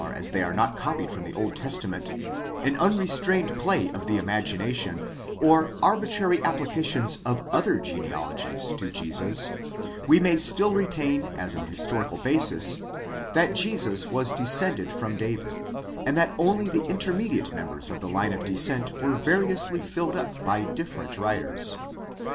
ἐκεβασηάνς. αραεθερακκλτον ᾿ς. κοΐοον αν ὁουοοςς restrained play of the imagmation, or arbitrary apphcations of other genealomes to Jesus,—we may still retaim 2s an historical basis that Jesus was desoended from David, and that only the mtermediate members of the Ime of desnent were variously filled up by different writers.